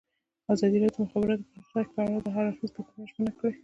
ازادي راډیو د د مخابراتو پرمختګ په اړه د هر اړخیز پوښښ ژمنه کړې.